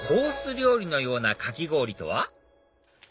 料理のようなかき氷とは？